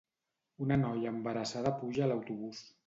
Una noia embarassada puja a l'autobús